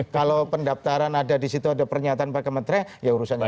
kalau pendaftaran ada di situ ada pernyataan pakai matre ya urusannya bersangkutan